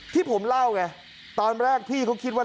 ที่ผมเล่าไงตอนแรกพี่เขาคิดว่า